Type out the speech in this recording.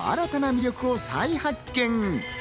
食材の新たな魅力を再発見。